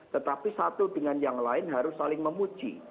tetapi satu dengan yang lain harus saling memuji